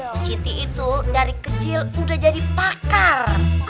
positi itu dari kecil udah jadi pakar